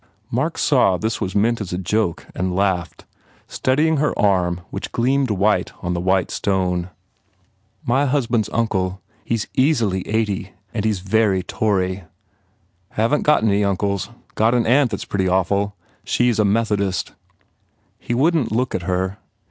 Mark saw this was meant as a joke and laughed, studying her arm which gleamed white on the white stone. "My husband s uncle. He s easily eighty and he s very Tory." "Haven t got any uncles. Got an aunt that s pretty awful. She s a Methodist." He wouldn t look at her.